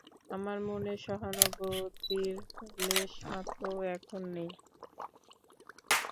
আমার মনে সহানুভূতির লেশমাত্রও এখন নেই!